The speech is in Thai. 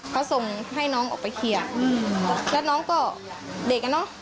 เขาส่งให้น้องออกไปเคลียร์อืมแล้วน้องก็เด็กอ่ะเนอะ